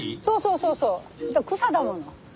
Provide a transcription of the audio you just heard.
そうそうそうそう草だもの。